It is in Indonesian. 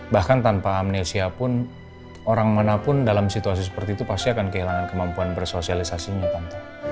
bahkan tanpa amnesia pun orang manapun dalam situasi seperti itu pasti akan kehilangan kemampuan bersosialisasinya